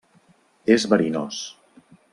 És verinós.